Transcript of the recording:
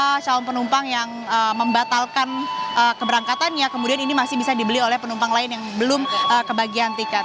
ada calon penumpang yang membatalkan keberangkatannya kemudian ini masih bisa dibeli oleh penumpang lain yang belum kebagian tiket